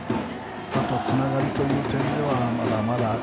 あと、つながりという点ではまだまだ。